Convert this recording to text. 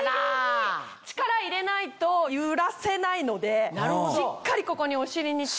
力入れないと揺らせないのでしっかりここにお尻に力。